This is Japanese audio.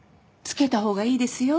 つけたほうがいいですよ。